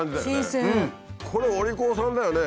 これお利口さんだよね。